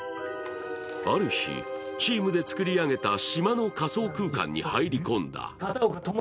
ある日、チームで作り上げた島の仮想空間に入り込んだ。